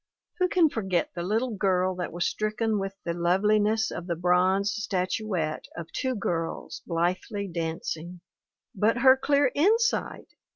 Who can forget the little girl that was stricken with the loveliness of the bronze statuette of two girls blithely dancing? But her clear insight!